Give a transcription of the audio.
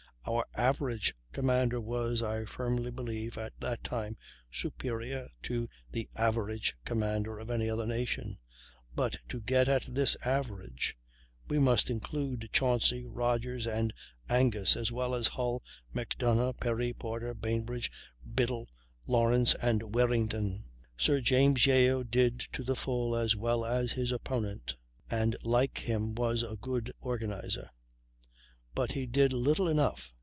Our average commander was, I firmly believe, at that time superior to the average commander of any other nation; but to get at this average we must include Chauncy, Rodgers, and Angus, as well as Hull, Macdonough, Perry, Porter, Bainbridge, Biddle, Lawrence, and Warrington. Sir James Yeo did to the full as well as his opponent, and like him was a good organizer; but he did little enough.